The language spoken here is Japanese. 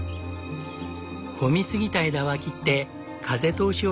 混みすぎた枝は切って風通しをよくする。